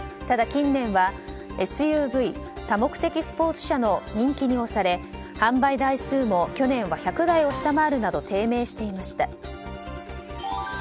ただ、近年はＳＵＶ・多目的スポーツ車の人気に押され、販売台数も去年は１００台を下回るなど低迷していました。